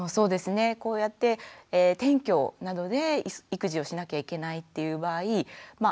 こうやって転居などで育児をしなきゃいけないっていう場合まあ